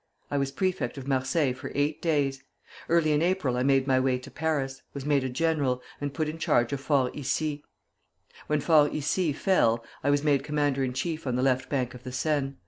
I was prefect of Marseilles for eight days. Early in April I made my way to Paris, was made a general, and put in charge of Fort Issy.[l] When Fort Issy fell, I was made commander in chief on the left bank of the Seine.